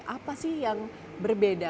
apa sih yang berbeda